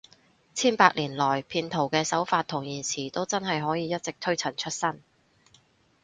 千百年來，騙徒嘅手法同言辭都真係可以一直推陳出新